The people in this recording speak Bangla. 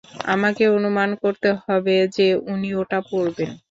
আমাকে অনুমান করতে হবে যে উনি ওটা পড়বেন।